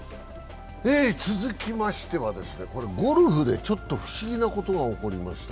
続きましては、ゴルフでちょっと不思議なことが起こりました。